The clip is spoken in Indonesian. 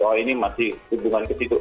oh ini masih hubungan ke situ